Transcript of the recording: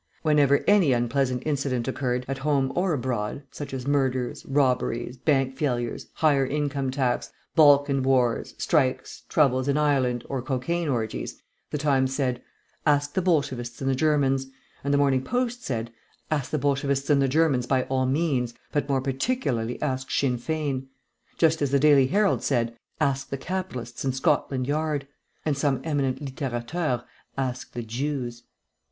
Whenever any unpleasant incident occurred, at home or abroad (such as murders, robberies, bank failures, higher income tax, Balkan wars, strikes, troubles in Ireland, or cocaine orgies), the Times said, "Ask the Bolshevists and the Germans," and the Morning Post said, "Ask the Bolshevists and the Germans by all means, but more particularly ask Sinn Fein," just as the Daily Herald said, "Ask the capitalists and Scotland Yard," and some eminent littérateurs, "Ask the Jews."